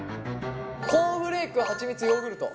コーンフレークはちみつヨーグルト。